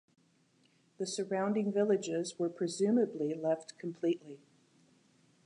The surrounding villages were presumably left completely.